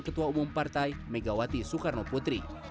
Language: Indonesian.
ketua umum partai megawati soekarno putri